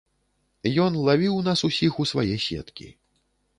Ён лавіў нас усіх у свае сеткі.